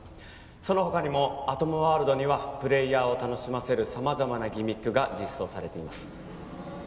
その他にもアトムワールドにはプレイヤーを楽しませる様々なギミックが実装されています